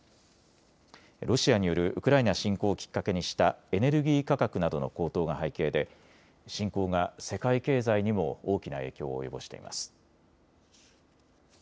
ロシアによるウクライナ侵攻をきっかけにしたエネルギー価格などの高騰が背景で侵攻が世界経済にも大きな影響を及ぼしています。